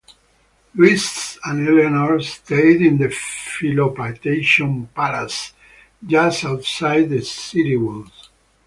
Louis and Eleanor stayed in the Philopation palace just outside the city walls.